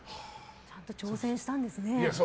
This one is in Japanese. ちゃんと挑戦したんですね。